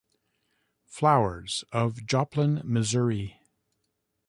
Flowers, of Joplin, Missouri.